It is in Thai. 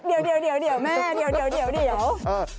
เดี๋ยวแม่เดี๋ยว